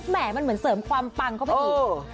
มันเหมือนเสริมความปังเข้าไปอีก